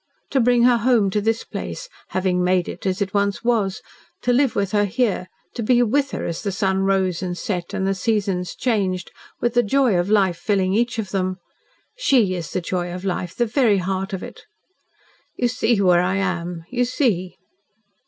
To bring her home to this place having made it as it once was to live with her here to be WITH her as the sun rose and set and the seasons changed with the joy of life filling each of them. SHE is the joy of Life the very heart of it. You see where I am you see!"